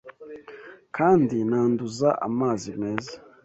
Kandi nanduza amazi meza